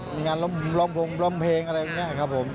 มีงานร้องเพลงอะไรแบบนี้ครับผม